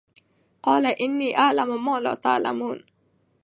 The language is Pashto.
قَالَ إِنِّىٓ أَعْلَمُ مَا لَا تَعْلَمُونَ